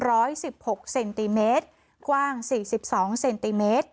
สิบหกเซนติเมตรกว้างสี่สิบสองเซนติเมตร